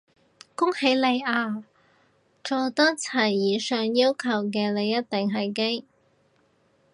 恭喜你啊，做得齊以上要求嘅你一定係基！